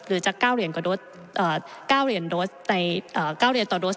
หรือจะ๙เหรียญต่อโดส